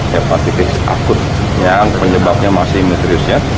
hepatitis akut yang penyebabnya masih misteriusnya